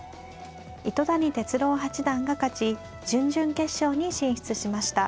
糸谷哲郎八段が勝ち準々決勝に進出しました。